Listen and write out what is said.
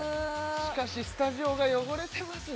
しかしスタジオが汚れてますね